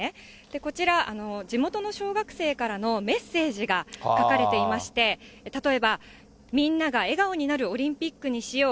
こちら、地元の小学生からのメッセージが書かれていまして、例えば、みんなが笑顔になるオリンピックにしよう！